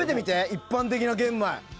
一般的な玄米。